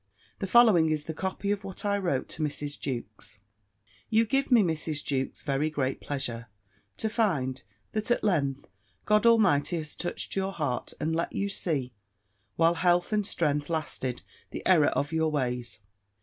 The following is the copy of what I wrote to Mrs. Jewkes: "You give me, Mrs. Jewkes, very great pleasure, to find, that, at length, God Almighty has touched your heart, and let you see, while health and strength lasted, the error of your ways.